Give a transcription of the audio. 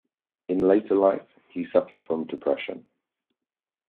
In later life, he suffered from depression.